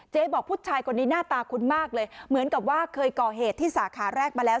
บอกผู้ชายคนนี้หน้าตาคุ้นมากเลยเหมือนกับว่าเคยก่อเหตุที่สาขาแรกมาแล้ว